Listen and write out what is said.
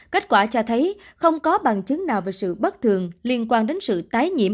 kết quả cho thấy không có bằng chứng nào về sự bất thường liên quan đến sự tái nhiễm